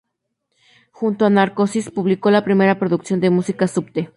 Junto a Narcosis publicó la primera producción de música subte.